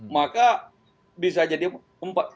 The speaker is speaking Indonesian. maka bisa jadi empat